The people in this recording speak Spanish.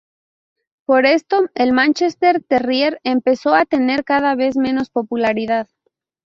Por esto el Manchester terrier empezó a tener cada vez menos popularidad.